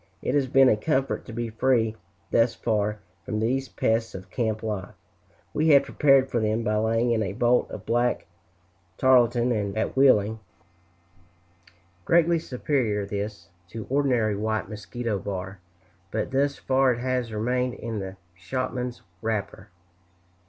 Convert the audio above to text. It has been a comfort to be free, thus far, from these pests of camp life. We had prepared for them by laying in a bolt of black tarlatan at Wheeling, greatly superior this, to ordinary white mosquito bar, but thus far it has remained in the shopman's wrapper.